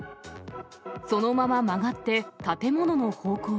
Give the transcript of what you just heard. そのまま曲がって、建物の方向へ。